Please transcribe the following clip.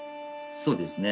そうですね。